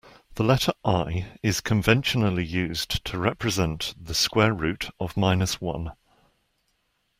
The letter i is conventionally used to represent the square root of minus one.